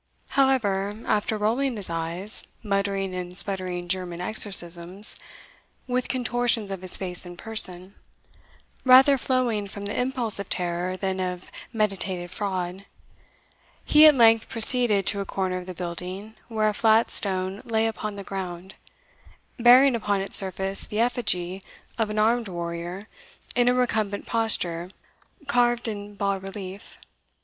However, after rolling his eyes, muttering and sputtering German exorcisms, with contortions of his face and person, rather flowing from the impulse of terror than of meditated fraud, he at length proceeded to a corner of the building where a flat stone lay upon the ground, bearing upon its surface the effigy of an armed warrior in a recumbent posture carved in bas relief.